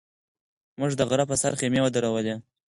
موږ د غره په سر خیمې ودرولې.